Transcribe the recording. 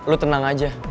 lo tenang aja